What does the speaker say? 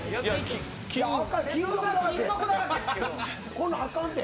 こんなあかんて。